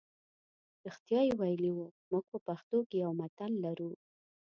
رښتیا یې ویلي وو موږ په پښتو کې یو متل لرو.